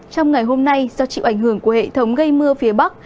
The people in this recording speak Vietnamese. trong ngày hôm nay do chịu ảnh hưởng của hệ thống gây mưa phía bắc